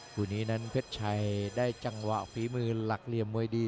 คู่นี้นั้นเพชรชัยได้จังหวะฝีมือหลักเหลี่ยมมวยดี